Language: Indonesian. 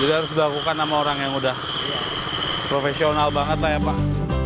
harus dilakukan sama orang yang udah profesional banget lah ya pak